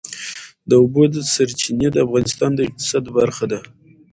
د اوبو سرچینې د افغانستان د اقتصاد برخه ده.